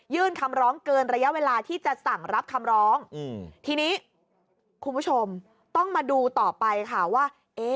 คำร้องเกินระยะเวลาที่จะสั่งรับคำร้องทีนี้คุณผู้ชมต้องมาดูต่อไปค่ะว่า